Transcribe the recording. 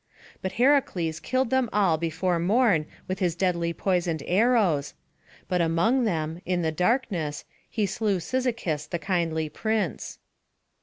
But Heracles killed them all before morn with his deadly poisoned arrows; but among them, in the darkness, he slew Cyzicus the kindly prince.